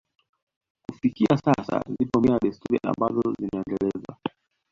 Kufikia sasa zipo mila na desturi ambazo zinaendelezwa